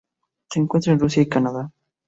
Se encuentra en Rusia y Canadá.